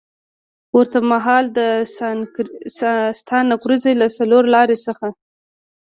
ورته مهال د ستانکزي له څلورلارې څخه